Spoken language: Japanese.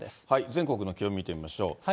全国の気温見てみましょう。